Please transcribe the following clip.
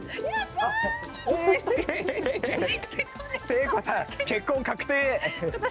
誠子さん、結婚確定！